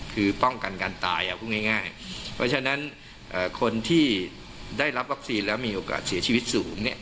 คือป้องกันการตายเอาพูดง่ายเพราะฉะนั้นคนที่ได้รับวัคซีนแล้วมีโอกาสเสียชีวิตสูงเนี่ย